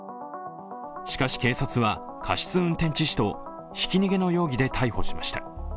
しかし、警察は過失運転致死のひき逃げの容疑で逮捕しました。